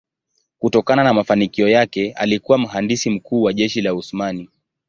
Kutokana na mafanikio yake alikuwa mhandisi mkuu wa jeshi la Osmani.